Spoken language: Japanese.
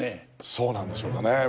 そうなんでしょうかね。